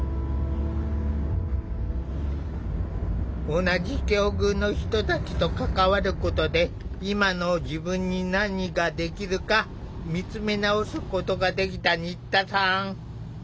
同じ境遇の人たちと関わることで今の自分に何ができるか見つめ直すことができた新田さん。